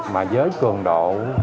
mà với cường độ